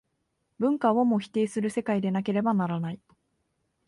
文化をも否定する世界でなければならない。